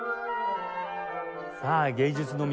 さあ芸術の都